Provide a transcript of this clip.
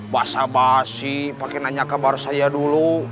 basah basih pake nanya kabar saya dulu